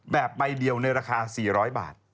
แบบใบเดียวในราคา๔๐๐บาท